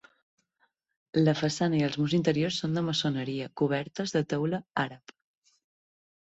La façana i els murs interiors són de maçoneria, cobertes de teula àrab.